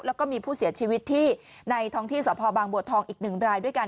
แล้วก็มีผู้เสียชีวิตที่ในท้องที่สพบางบัวทองอีก๑รายด้วยกัน